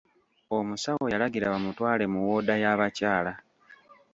Omusawo yalagira bamutwale mu wooda y'abakyala.